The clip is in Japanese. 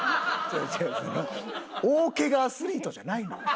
その大怪我アスリートじゃないのよ。